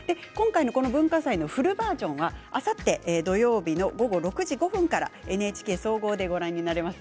この文化祭のフルバージョンはあさって土曜日午後６時５分からＮＨＫ総合でご覧になれます。